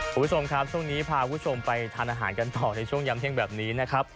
คุณผู้ชมครับช่วงนี้พาคุณผู้ชมไปทานอาหารกันต่อในช่วงยำเที่ยงแบบนี้นะครับ